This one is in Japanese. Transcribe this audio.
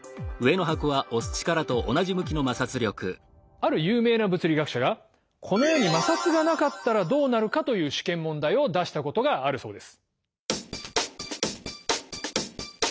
ある有名な物理学者が「この世に摩擦がなかったらどうなるか」という試験問題を出したことがあるそうです。